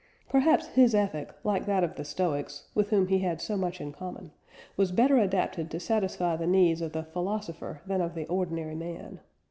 Perhaps his ethic, like that of the Stoics, with whom he had so much in common, was better adapted to satisfy the needs of the philosopher than of the ordinary man.